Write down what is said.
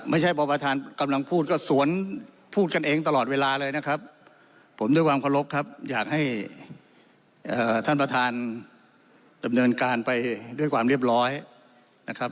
ไม่ใช่พอประธานกำลังพูดก็สวนพูดกันเองตลอดเวลาเลยนะครับผมด้วยความเคารพครับอยากให้ท่านประธานดำเนินการไปด้วยความเรียบร้อยนะครับ